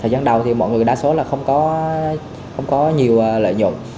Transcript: thời gian đầu thì mọi người đa số là không có nhiều lợi nhuận